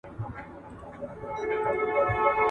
دا قانون دی په تیاره پسي رڼا سته .